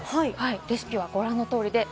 レシピはご覧の通りです。